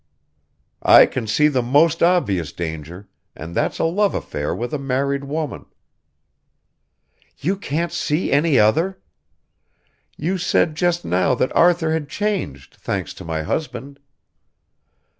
"I can see the most obvious danger, and that's a love affair with a married woman." "You can't see any other? You said just now that Arthur had changed thanks to my husband.